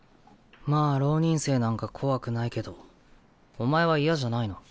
まあ浪人生なんか怖くないけどお前は嫌じゃないの？